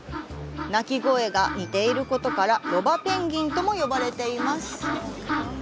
鳴き声が似ていることからロバペンギンとも呼ばれています。